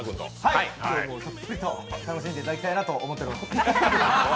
今日もたっぷりと楽しんでいただきたいなと思っております。